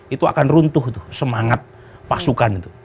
itu akan runtuh semangat pasukan